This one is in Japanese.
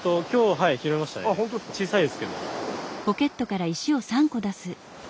はい。